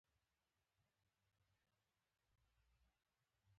هغوی یې د پوځي موټر شاته ډالې ته پورته کول